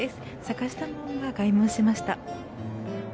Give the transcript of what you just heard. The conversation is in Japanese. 坂下門が開門しました。